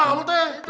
sampai jumpa lagi